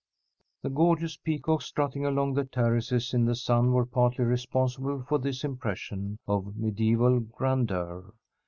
The gorgeous peacocks strutting along the terraces in the sun were partly responsible for this impression of mediæval grandeur.